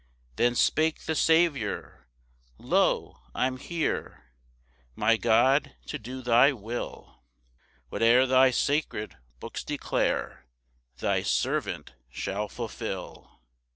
2 Then spake the Saviour, "Lo, I'm here, "My God, to do thy will; "'Whate'er thy sacred books declare, "Thy servant shall fulfil.